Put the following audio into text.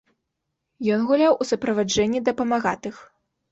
Ён гуляў у суправаджэнні дапамагатых.